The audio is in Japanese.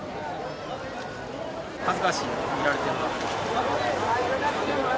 恥ずかしい、見られてるな。